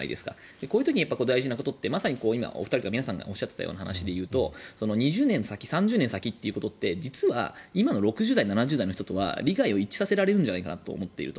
こういう時に大事なことって皆さんがおっしゃってたことからいうと２０年先３０年先っていうことって実は今の６０代、７０代の人と利害を一致させられるんじゃないかなと思っていると。